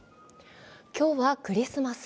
今日はクリスマス。